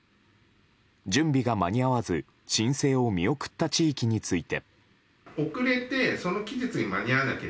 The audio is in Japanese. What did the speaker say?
準備が間に合わず申請を見送った地域について。